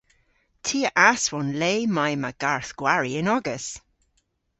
Ty a aswon le may ma garth-gwari yn-ogas.